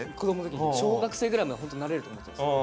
小学生ぐらいまでホントなれると思ってたんですよ。